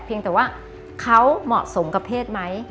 แต่ว่าเขาเหมาะสมกับเพศไหม